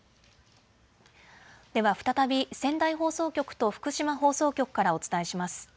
では再び仙台放送局と福島放送局からお伝えします。